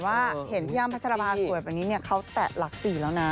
ว่าเห็นพี่ยั่มพจรพาทสวยบานนี้เขาแตะหลัก๔แล้วนะ